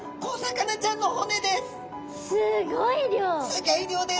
すギョい量です！